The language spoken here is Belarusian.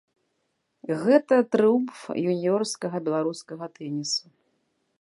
Гэта трыумф юніёрскага беларускага тэнісу.